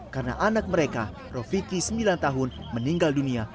karena anak mereka rofiki sembilan tahun meninggal dunia